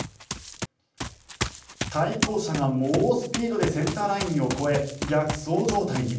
対向車が猛スピードでセンターラインを越え逆走状態に。